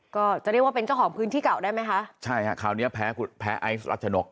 ก็จะเรียกว่าเป็นเจ้าของพื้นที่เก่าได้ไหมคะใช่ฮะคราวเนี้ยแพ้คุณแพ้ไอซ์รัชนก